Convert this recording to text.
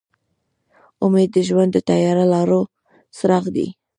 امید د ژوند د تیاره لارو څراغ دی.